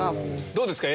どうですか？